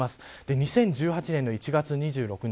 ２０１８年の１月２６日。